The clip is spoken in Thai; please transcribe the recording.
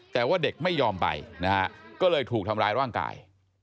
แต่ว่าเด็กไม่ยอมไปนะฮะก็เลยถูกทำร้ายร่างกาย